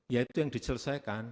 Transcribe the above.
ya itu yang dicelesaikan